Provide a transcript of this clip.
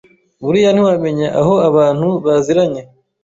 Buriya ntiwamenya aho abantu baziranye,